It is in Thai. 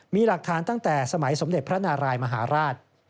มีหลักฐานตั้งแต่สมัยสมเด็จพระนารายมหาราช